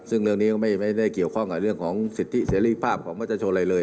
ซึ่งเรื่องนี้ก็ไม่เป็นได้เกี่ยวข้องกับเรื่องของสิทธิเสียฤทธิภาพของมหัวชโชรรัยเลย